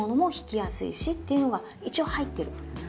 ていうのが一応入ってる。